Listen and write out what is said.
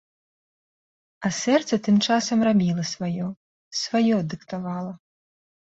А сэрца тым часам рабіла сваё, сваё дыктавала.